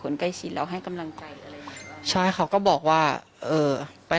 ใกล้ชิดแล้วให้กำลังใจอะไรใช่เขาก็บอกว่าเออไป